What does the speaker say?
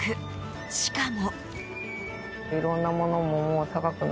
しかも。